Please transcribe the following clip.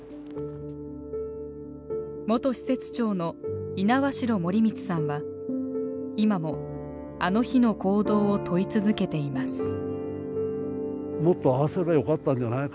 元施設長の猪苗代盛光さんは今もあの日の行動を問い続けています。